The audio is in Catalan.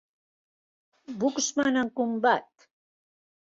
Buxman en combat!